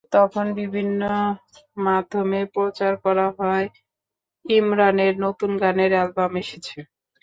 তখন বিভিন্ন মাধ্যমে প্রচার করা হয়, ইমরানের নতুন গানের অ্যালবাম এসেছে।